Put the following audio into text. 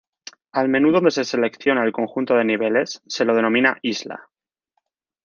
Al menú donde se selecciona el conjunto de niveles se lo denomina "Isla".